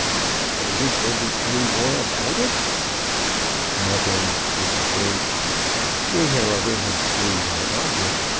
"And won't there be any more about it?" "Nothing, I should think. We, however, have gained our object.